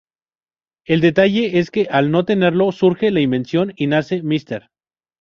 El detalle es que al no tenerlo, surge la invención y nace Mr.